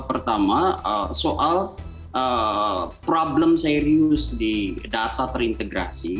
pertama soal problem serius di data terintegrasi